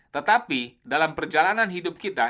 tetapi dalam perjalanan hidup kita